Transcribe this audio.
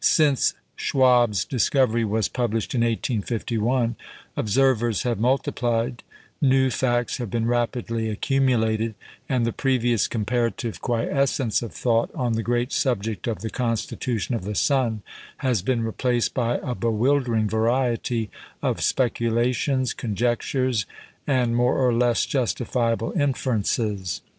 Since Schwabe's discovery was published in 1851, observers have multiplied, new facts have been rapidly accumulated, and the previous comparative quiescence of thought on the great subject of the constitution of the sun, has been replaced by a bewildering variety of speculations, conjectures, and more or less justifiable inferences.